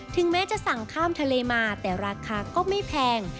แม้จะสั่งข้ามทะเลมาแต่ราคาก็ไม่แพง